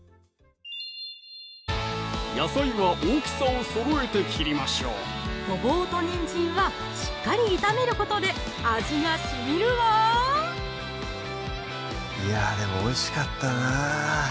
野菜は大きさをそろえて切りましょうごぼうとにんじんはしっかり炒めることで味がしみるわいやでもおいしかったな